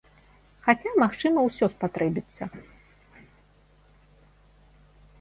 Хаця, магчыма ўсё спатрэбіцца.